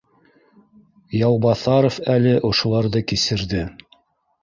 Яубаҫаров әле ошоларҙы кисерҙе